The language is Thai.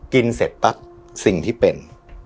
เสร็จปั๊บสิ่งที่เป็น